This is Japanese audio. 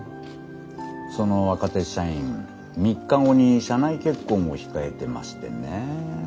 その若手社員３日後に社内結婚を控えてましてね。